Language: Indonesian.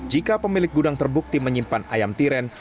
jika pemilik gudang terbukti menyimpan ayam tiren